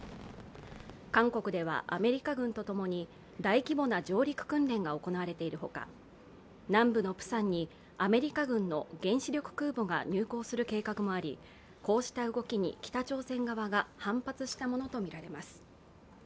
韓国ではアメリカ軍とともに大規模な上陸訓練が行われているほか、南部のプサンにアメリカ軍の原子力空母が入港する計画もありこうした動きに北朝鮮側が反発したものとみられます。